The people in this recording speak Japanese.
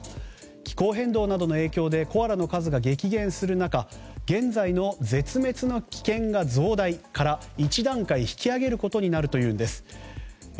気候変動などの影響でコアラの数が激減する中現在の絶滅の危険が増大から１段階引き上げることになるというんです。